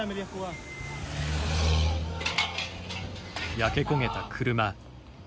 焼け焦げた車。